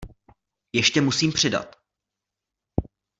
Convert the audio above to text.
Ještě musím přidat.